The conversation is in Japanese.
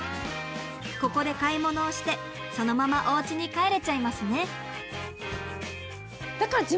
ここで買い物をしてそのままおうちに帰れちゃいますね。